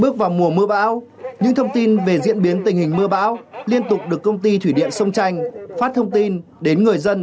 bước vào mùa mưa bão những thông tin về diễn biến tình hình mưa bão liên tục được công ty thủy điện sông tranh phát thông tin đến người dân